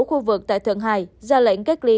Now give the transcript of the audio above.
khu vực tại thượng hải ra lệnh cách ly